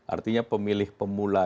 artinya pemilih pemula